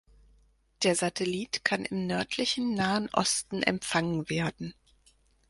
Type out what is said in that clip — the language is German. Der Satellit kann im nördlichen Nahen Osten empfangen werden.